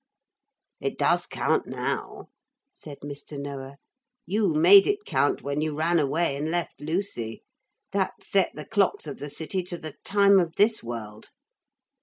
'It does count, now,' said Mr. Noah; 'you made it count when you ran away and left Lucy. That set the clocks of the city to the time of this world.'